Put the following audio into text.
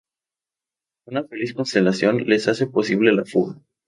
Una feliz constelación les hace posible la fuga.